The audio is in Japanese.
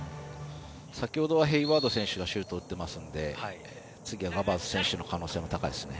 先ほどはヘイワード選手がシュートを打っていますので次はガバーズ選手の可能性が高いですね。